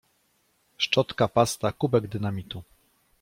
Szczotka, pasta, kubek dynamitu.